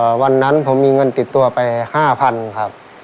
อ่าววันนั้นผมมีเงินติดตัวไปพยายามหนี๕๐๐๐บาท